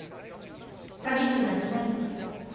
さみしくなんかないわ。